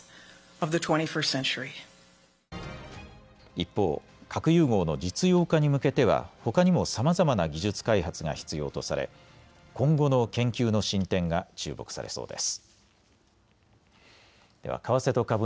一方、核融合の実用化に向けてはほかにもさまざまな技術開発が必要とされ今後の研究の進展が注目されそうです。